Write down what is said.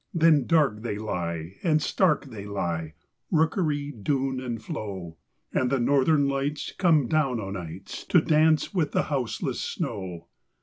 Then dark they lie and stark they lie rookery, dune, and floe, And the Northern Lights come down o' nights to dance with the houseless snow.